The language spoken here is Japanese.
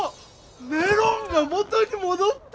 メロンが元にもどった！